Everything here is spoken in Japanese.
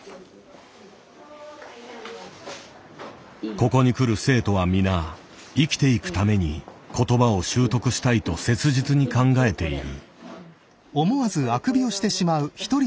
ここに来る生徒はみな生きていくために言葉を習得したいと切実に考えている。